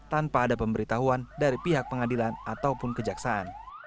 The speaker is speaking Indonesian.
tanpa ada pemberitahuan dari pihak pengadilan ataupun kejaksaan